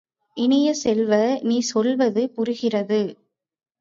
இனிய செல்வ, நீ சொல்வது புரிகிறது!